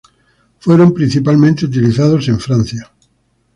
Fueron principalmente utilizados en Francia.